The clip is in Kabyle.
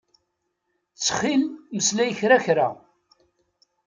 Ttxil mmeslay kra kra.